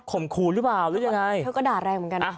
ข่มขูนรึเปล่าหรือยังไง